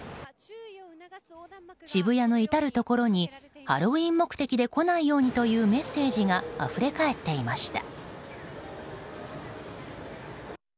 渋谷の至るところにハロウィーン目的で来ないようにというメッセージがあふれ返っていました。